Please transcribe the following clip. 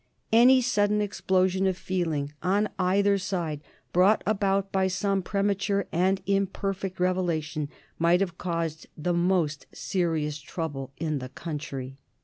Any sudden explosion of feeling on either side brought about by some premature and imperfect revelation might have caused the most serious trouble in the country.